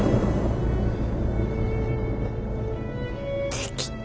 できた。